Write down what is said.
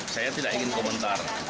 saya tidak ingin komentar